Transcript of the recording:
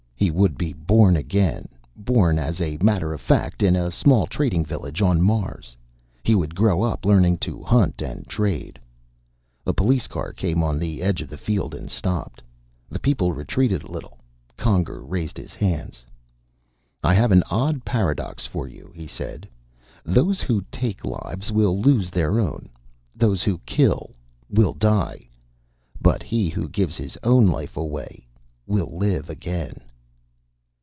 He would be born again, born, as a matter of fact, in a small trading village on Mars. He would grow up, learning to hunt and trade A police car came on the edge of the field and stopped. The people retreated a little. Conger raised his hands. "I have an odd paradox for you," he said. "Those who take lives will lose their own. Those who kill, will die. But he who gives his own life away will live again!"